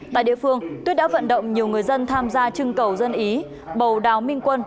tại địa phương tuyết đã vận động nhiều người dân tham gia trưng cầu dân ý bầu đào minh quân